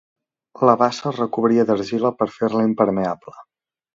La bassa es recobria d'argila per fer-la impermeable.